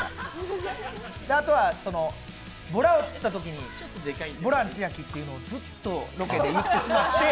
あとはボラを釣ったときに、ボラン千秋というのをずっとロケで言ってしまって。